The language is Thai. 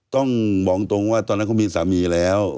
ต้องบอกตรงว่าตอนนั้นเขามีสามีแล้ว